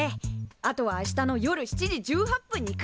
あとは明日の夜７時１８分に来るだけ。